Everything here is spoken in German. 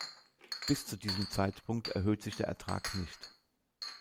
Bis zu diesem Zeitpunkt erhöht sich der Ertrag nicht.